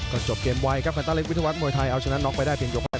ก่อนจบเกมไวคันตะเล็กวิทยาวัฒน์มวยไทยเอาชนะน็อกไปแล้วเปลี่ยนยกไป